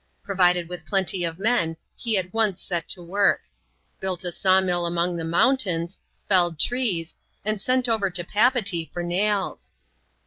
Provided with plenty of men, he at once set to work ; built a saw mill among the mountains, felled trees, and sent over to Papeetee for nails.